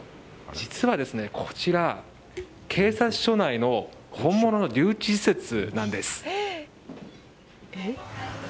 実はですね、こちら警察署内の本物の留置施設なんです。